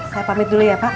saya pamit dulu ya pak